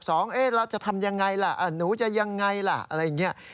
เราจะทำยังไงล่ะหนูจะยังไงล่ะอะไรอย่างนี้